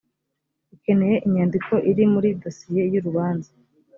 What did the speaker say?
ukeneye inyandiko iri muri dosiye y urubanza